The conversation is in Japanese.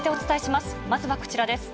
まずはこちらです。